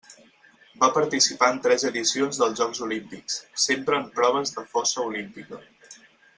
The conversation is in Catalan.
Va participar en tres edicions dels Jocs Olímpics, sempre en proves de fossa olímpica.